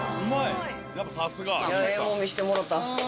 ええもん見せてもろた。